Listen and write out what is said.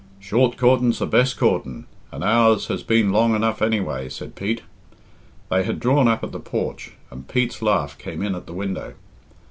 "Short coorting's the best coorting, and ours has been long enough anyway," said Pete. They had drawn up at the porch, and Pete's laugh came in at the window.